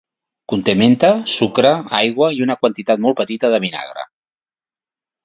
Conté menta, sucre, aigua i una quantitat molt petita de vinagre.